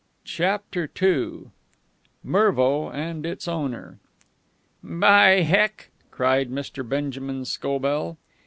CHAPTER II MERVO AND ITS OWNER "By heck!" cried Mr. Benjamin Scobell.